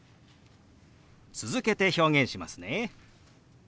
続けて表現しますね。